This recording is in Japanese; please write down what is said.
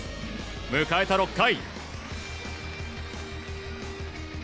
迎えた６回。